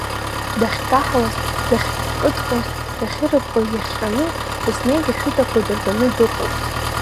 Дахькаҳауаз, дахькыдҟьоз, дахьырыпҟоз иахҟьаны, еснагь ашәытақәа дырганы дыҟоуп.